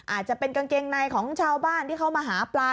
อาจจะเป็นกางเกงในของชาวบ้านที่เขามาหาปลา